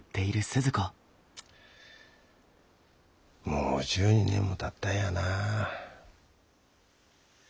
もう１２年もたったんやなあ。